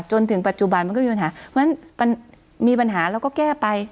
จนถึงปัจจุบันมันก็มีปัญหาเพราะฉะนั้นมันมีปัญหาเราก็แก้ไป